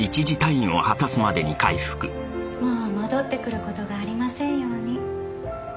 もう戻ってくることがありませんように。